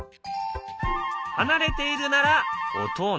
離れているなら音を鳴らす。